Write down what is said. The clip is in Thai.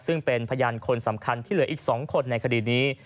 ซึ่งเป็นพยานคนสำคัญที่เหลืออีก๒คนในคดีนี้